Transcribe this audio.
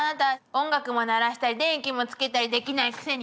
音楽も鳴らしたり電気もつけたりできないくせに。